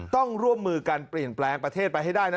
ต้องร่วมมือกันเปลี่ยนแปลงประเทศไปให้ได้นะ